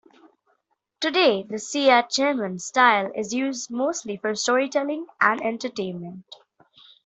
Today, the Siya Cheman style is used mostly for storytelling and entertainment.